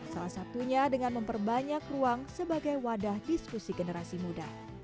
salah satunya dengan memperbanyak ruang sebagai wadah diskusi generasi muda